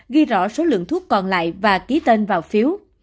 ghi rõ số lượng thuốc còn lại và ký tên vào phiếu